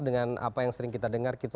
dengan apa yang sering kita dengar gitu